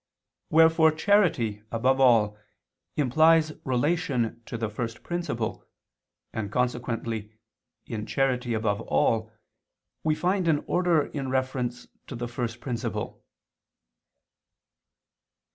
Wherefore charity, above all, implies relation to the First Principle, and consequently, in charity above all, we find an order in reference to the First Principle.